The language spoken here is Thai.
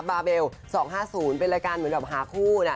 บาเบล๒๕๐เป็นรายการเหมือนแบบหาคู่นะ